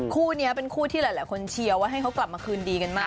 คู่นี้เป็นคู่ที่หลายคนเชียร์ว่าให้เขากลับมาคืนดีกันมาก